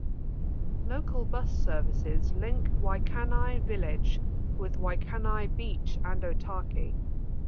Local bus services link Waikanae Village with Waikanae Beach and Otaki.